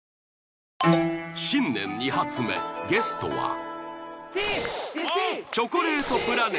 新年２発目ゲストは。